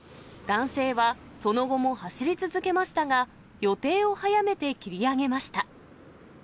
男性はその後も走り続けましたが、予定を早めて切り上げました。